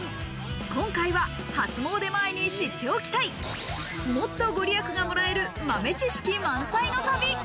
今回は初詣前に知っておきたいもっと御利益がもらえる豆知識満載の旅。